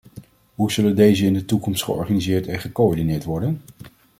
Hoe zullen deze in de toekomst georganiseerd en gecoördineerd worden?